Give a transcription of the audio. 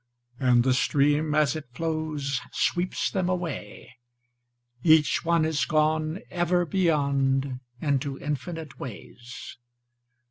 And the stream as it flows Sweeps them away, Each one is gone Ever beyond into infinite ways.